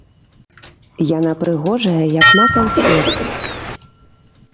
Яна прыгожая, як макаў цвет.